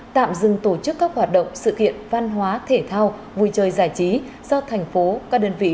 tạm dừng tổ chức các hoạt động sự kiện văn hóa thể thao vui chơi giải trí do thành phố các đơn vị